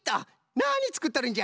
なにつくっとるんじゃ？